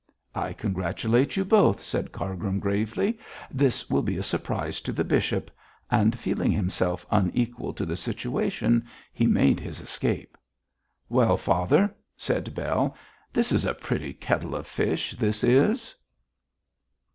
'I congratulate you both,' said Cargrim, gravely. 'This will be a surprise to the bishop,' and feeling himself unequal to the situation, he made his escape. 'Well, father,' said Bell, 'this is a pretty kettle of fish, this is!'